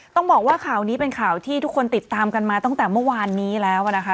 ต้องบอกว่าข่าวนี้เป็นข่าวที่ทุกคนติดตามกันมาตั้งแต่เมื่อวานนี้แล้วนะคะ